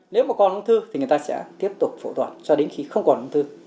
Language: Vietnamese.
nếu mà con ung thư thì người ta sẽ tiếp tục phẫu thuật cho đến khi không còn ung thư